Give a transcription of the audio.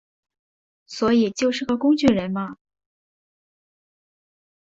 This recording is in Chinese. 所以就是个工具人嘛